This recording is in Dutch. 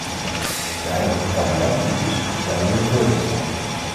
De huidige kabeljauwcrisis is daar weer een voorbeeld van.